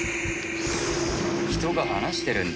人が話してるんだ。